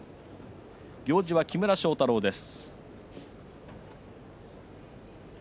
行司は木村庄太郎です。